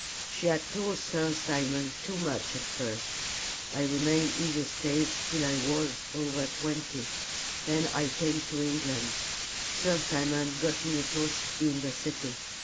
She had told Sir Simon too much at first. I remained in the States till I was over twenty, then I came to England. Sir Simon got me a post in the city.